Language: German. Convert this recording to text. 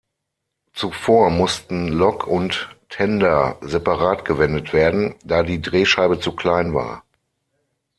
Zuvor mussten Lok und Tender separat gewendet werden, da die Drehscheibe zu klein war.